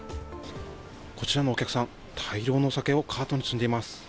こちらのお客さん、大量のお酒をカートに積んでいます。